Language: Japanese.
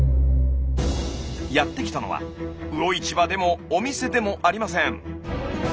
やって来たのは魚市場でもお店でもありません。